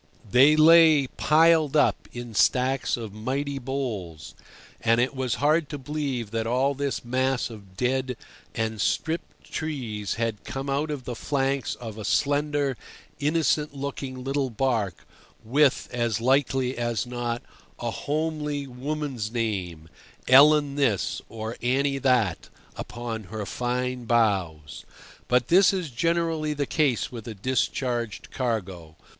They lay piled up in stacks of mighty boles, and it was hard to believe that all this mass of dead and stripped trees had come out of the flanks of a slender, innocent looking little barque with, as likely as not, a homely woman's name—Ellen this or Annie that—upon her fine bows. But this is generally the case with a discharged cargo.